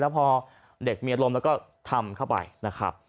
พอเด็กมีอารมณ์แล้วก็ทำเข้าไปนะครับ